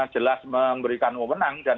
jelas memberikan kemenangan dan